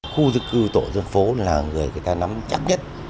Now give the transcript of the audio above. khu dân cư tổ dân phố là người người ta nắm chắc nhất